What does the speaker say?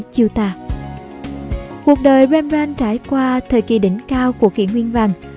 cuộc đời rembrand trải qua thời kỳ đỉnh cao của kỷ nguyên vàng